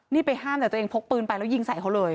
นี่ไปห้ามแต่ตัวเองพกปืนไปแล้วยิงใส่เขาเลย